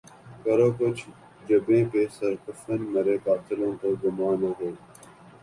کرو کج جبیں پہ سر کفن مرے قاتلوں کو گماں نہ ہو